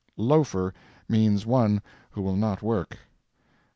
"Loafer" means one who will not work.